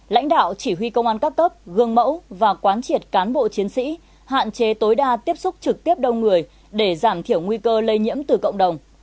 lãnh đạo chỉ huy công an các cấp gương mẫu và quán triệt cán bộ chiến sĩ hạn chế tối đa tiếp xúc trực tiếp đông người để giảm thiểu nguy cơ lây nhiễm từ cộng đồng